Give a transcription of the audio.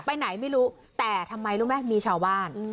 ไปไหนไม่รู้แต่ทำไมรู้ไหมมีชาวบ้าน